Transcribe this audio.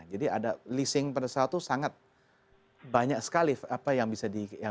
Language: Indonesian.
jadi ada leasing pada saat itu sangat banyak sekali apa yang bisa kita